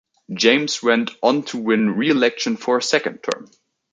James went on to win re-election for a second term.